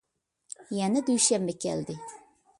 يەنە دۈشەنبە كەلدى.